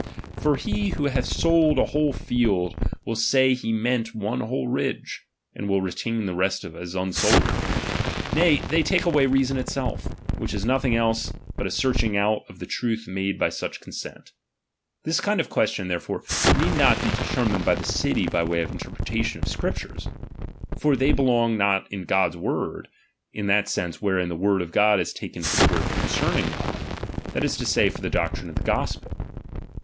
For he who hath sold a whole field, will say he meant one whole ridge ; and will retain the rest as unsold. Nay, they take away reason itself ; which is nothing else but a search ing out of the truth made by such consent. This kind of questions, therefore, need not be deter mined by the city by way of interpretation of Scriptures ; for they belong not to God's Word, in that sense wherein the Word of God is taken for the Word concerning God ; that is to say, for the doctrine of the gospel.